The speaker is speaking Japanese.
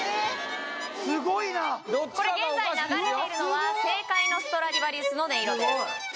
すごいなこれ現在流れているのは正解のストラディヴァリウスの音色です